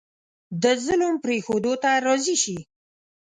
د ظلم پرېښودو ته راضي شي.